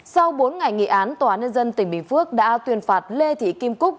sau bốn ngày nghị án tòa án nhân dân tỉnh bình phước đã tuyên phạt lê thị kim cúc